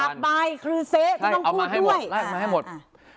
ตากบายครือเซต้องพูดด้วย